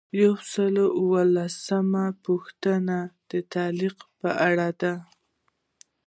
یو سل او اووه لسمه پوښتنه د تعلیق په اړه ده.